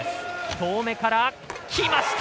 遠めから、きました！